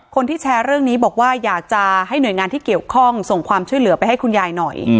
คนที่แชร์เรื่องนี้บอกว่าอยากจะให้หน่วยงานที่เกี่ยวข้องส่งความช่วยเหลือไปให้คุณยายหน่อย